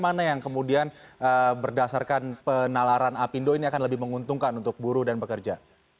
mana yang kemudian berdasarkan penalaran apindo ini akan lebih menguntungkan untuk buruh dan pekerja